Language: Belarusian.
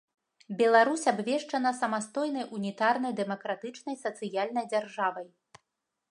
Беларусь абвешчана самастойнай унітарнай дэмакратычнай сацыяльнай дзяржавай.